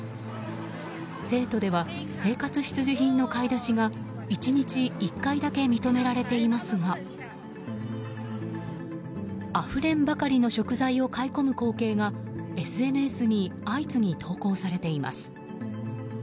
成都では生活必需品の買い出しが１日１回だけ認められていますがあふれんばかりの食材を買い込む光景がＳＮＳに相次ぎ投稿されています。